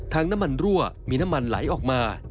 น้ำมันรั่วมีน้ำมันไหลออกมา